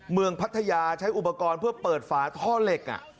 พัทยาใช้อุปกรณ์เพื่อเปิดฝาท่อเหล็ก